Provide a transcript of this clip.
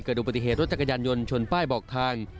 ดูปฏิเหตุรถจักรยานยนต์ชนป้ายบอกทาง